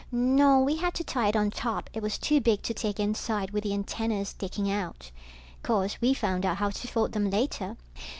No, we had to tie it on top, it was too big to take inside with the antennas sticking out. Course, we found out how to fold them later.